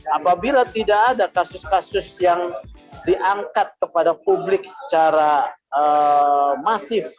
apabila tidak ada kasus kasus yang diangkat kepada publik secara masif